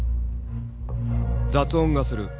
「雑音がする。